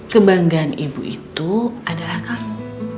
kebanggaan ibu itu adalah kamu